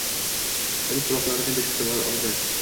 Uni quloqlarini berkitib oldi.